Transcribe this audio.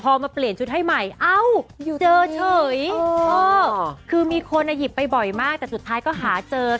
พอมาเปลี่ยนชุดให้ใหม่เอ้าเจอเฉยคือมีคนหยิบไปบ่อยมากแต่สุดท้ายก็หาเจอ